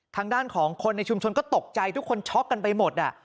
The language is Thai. ทางด้านของคนในชุมชนก็ตกใจทุกคนช็อกกันไปหมด